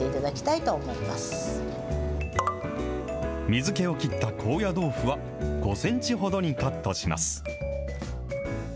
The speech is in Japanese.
水けを切った高野豆腐は、５センチほどにカットします。